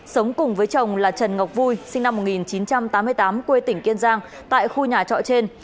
sống cùng với chồng là trần ngọc vui sinh năm một nghìn chín trăm tám mươi tám quê tỉnh kiên giang tại khu nhà trọ trên